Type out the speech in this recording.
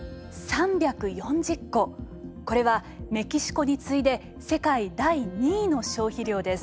これはメキシコに次いで世界第２位の消費量です。